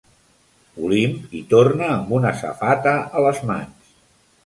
Olimp i torna amb una safata a les mans.